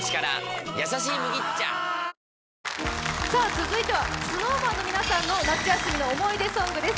続いてはＳｎｏｗＭａｎの皆さんの夏休みの思い出ソングです。